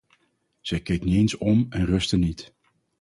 Zij keek niet eens om en rustte niet.